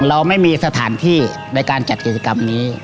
เราไม่มีสถานที่ในการจัดกิจกรรมนี้